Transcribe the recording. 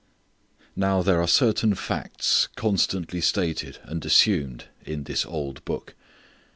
Now there are certain facts constantly stated and assumed in this old Book.